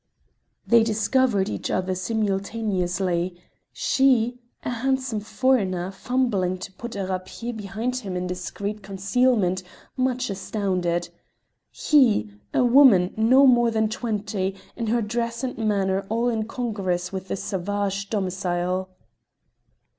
They discovered each other simultaneously, she, a handsome foreigner, fumbling to put a rapier behind him in discreet concealment, much astounded; he, a woman no more than twenty, in her dress and manner all incongruous with this savage domicile.